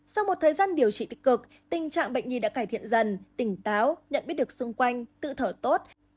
sau một thời gian điều trị tích cực tình trạng bệnh nhi đã cải thiện dần tỉnh táo nhận biết được xung quanh tự thở tốt